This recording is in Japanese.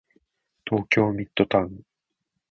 東京ミッドタウン